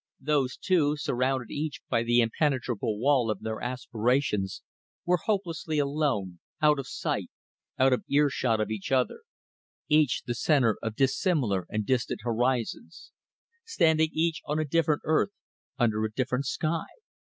Those two, surrounded each by the impenetrable wall of their aspirations, were hopelessly alone, out of sight, out of earshot of each other; each the centre of dissimilar and distant horizons; standing each on a different earth, under a different sky.